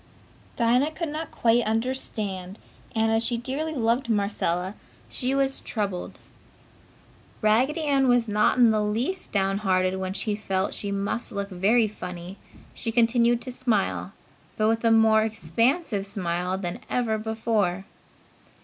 Dinah could not quite understand and, as she dearly loved Marcella, she was troubled. Raggedy Ann was not in the least downhearted and while she felt she must look very funny she continued to smile, but with a more expansive smile than ever before.